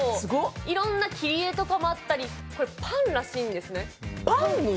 いろんな切り絵とかもあったりしてこれはパンらしいですね。